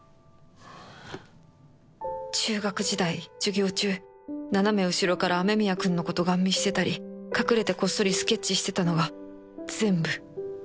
中学時代授業中斜め後ろから雨宮くんの事ガン見してたり隠れてこっそりスケッチしてたのが全部